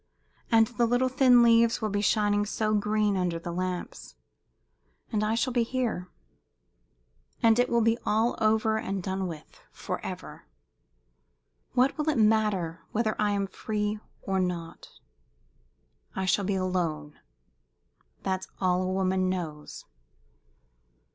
and the little thin leaves will be shining so green under the lamps and I shall be here and it will be all over and done with forever. What will it matter whether I am free or not free? I shall be alone! That's all a woman knows."